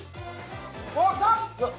おっ来た。